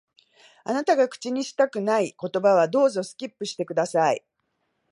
あなたが口にしたくない言葉は、どうぞ、スキップして下さい。